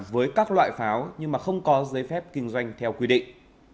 với các loại pháo nhưng mà không có giấy phép kinh doanh theo quy định